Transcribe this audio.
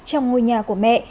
trong ngôi nhà của mẹ